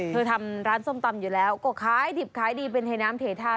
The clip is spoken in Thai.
ทำร้านส้มตำอยู่แล้วก็ขายดิบขายดีเป็นเทน้ำเททา